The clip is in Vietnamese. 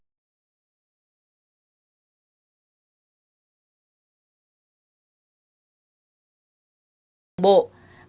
trong điều kiện năng lực cạnh tranh của đảng ủy công an trung ương và lực lượng an ninh kinh tế